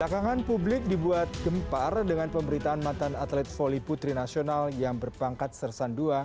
belakangan publik dibuat gempar dengan pemberitaan mantan atlet voli putri nasional yang berpangkat sersan ii